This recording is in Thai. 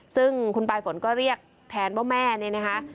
ซึ่งคุณปลายฝนก็เรียกแทนเบา้มแม่